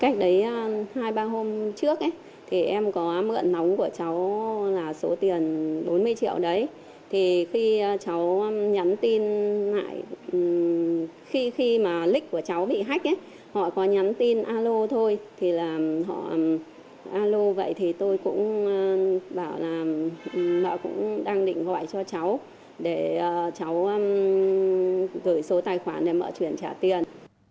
cũng đang định gọi cho cháu để cháu gửi số tài khoản để mở chuyển trả tiền